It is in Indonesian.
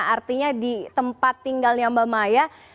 artinya di tempat tinggalnya mbak maya